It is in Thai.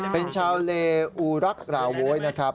เป็นชาวเลอูรักราโวยนะครับ